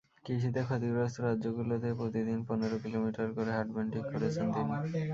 কৃষিতে ক্ষতিগ্রস্ত রাজ্যগুলোতে প্রতিদিন পনেরো কিলোমিটার করে হাঁটবেন ঠিক করেছেন তিনি।